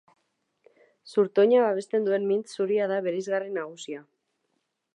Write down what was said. Zurtoina babesten duen mintz zuria da bereizgarri nagusia.